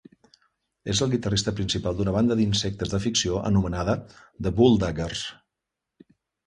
És el guitarrista principal d'una banda d'insectes de ficció anomenada The Bulldaggers.